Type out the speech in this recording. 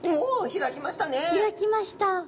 開きました。